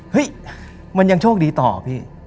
เฮ้ยมันยังโชคดีต่อพี่